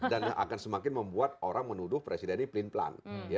dan akan semakin membuat orang menuduh presiden ini pelan pelan